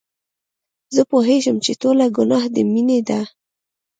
زه پوهېږم چې ټوله ګناه د مينې ده.